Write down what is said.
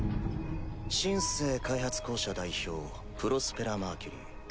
「シン・セー開発公社」代表プロスペラ・マーキュリー。